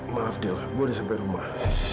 maaf dil saya sudah sampai rumah